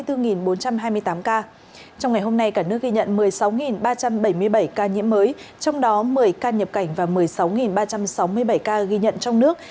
trong ngày hôm nay cả nước ghi nhận một mươi sáu ba trăm bảy mươi bảy ca nhiễm mới trong đó một mươi ca nhập cảnh và một mươi sáu ba trăm sáu mươi bảy ca ghi nhận trong nước